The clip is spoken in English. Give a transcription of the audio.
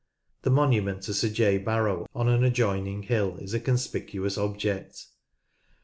The monument to Sir J. Barrow on an adjoining hill is a conspicuous object.